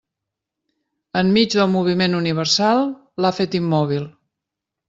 Enmig del moviment universal, l'ha fet immòbil.